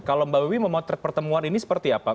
kalau mbak wiwi memotret pertemuan ini seperti apa